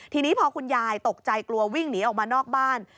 ทีนี้พอคุณยายตกใจกลัววิ่งหนีออกมานอกบ้าน